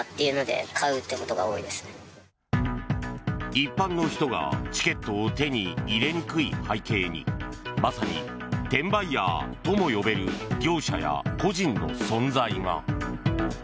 一般の人がチケットを手に入れにくい背景にまさに転売ヤーとも呼べる業者や個人の存在が。